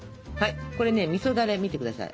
これねみそだれ見て下さい。